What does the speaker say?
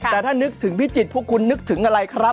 แต่ถ้านึกถึงพิจิตรพวกคุณนึกถึงอะไรครับ